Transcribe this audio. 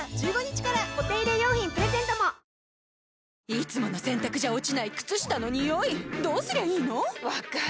いつもの洗たくじゃ落ちない靴下のニオイどうすりゃいいの⁉分かる。